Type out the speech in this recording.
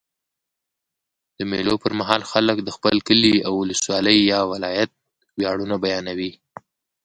د مېلو پر مهال خلک د خپل کلي، اولسوالۍ یا ولایت ویاړونه بیانوي.